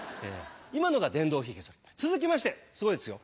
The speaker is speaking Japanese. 今のが電動ひげ剃り続きましてすごいですよ。